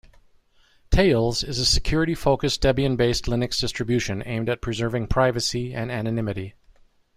Tails is a security-focused Debian-based Linux distribution aimed at preserving privacy and anonymity.